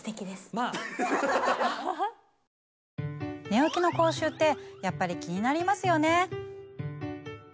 寝起きの口臭ってやっぱり気になりますよね。